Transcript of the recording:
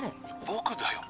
僕だよ